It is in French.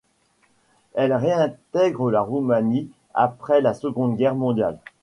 Elle réintègre la Roumanie après la Seconde Guerre mondiale.